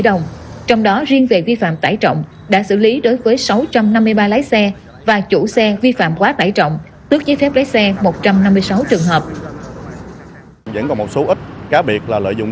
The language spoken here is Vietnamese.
tỷ trong đó riêng về vi phạm tải trọng đã xử lý đối với sáu trăm năm mươi ba lái xe và chủ xe vi phạm quá tải trọng